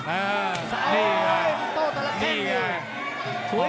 เออนี่ค่ะโต้แต่ละแข้ง